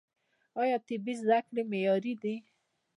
آیا طبي زده کړې معیاري دي؟